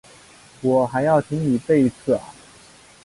我还要听你背一次啊？